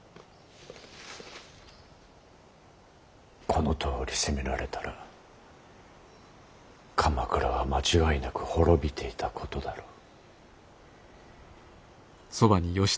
このとおり攻められたら鎌倉は間違いなく滅びていたことだろう。